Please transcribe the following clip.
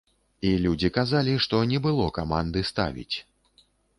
І людзі казалі, што не было каманды ставіць.